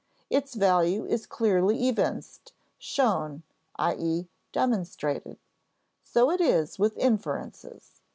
Its value is clearly evinced, shown, i.e. demonstrated. So it is with inferences.